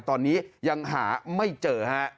ตอนนี้ยังหาไม่เจอฮะ